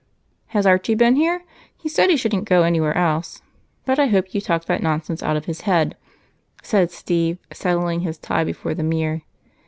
"Has Archie been here? He said he shouldn't go anywhere else, but I hope you talked that nonsense out of his head," said Steve, settling his tie before the mirror.